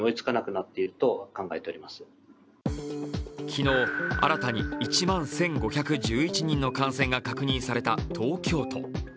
昨日、新たに１万１５１１人の感染が確認された東京都。